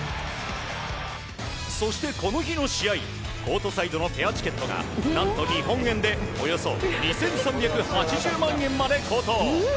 そして、この日の試合コートサイドのペアチケットが何と日本円でおよそ２３８０万円まで高騰。